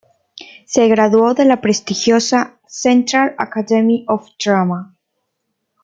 Se graduó de la prestigiosa "Central Academy of Drama".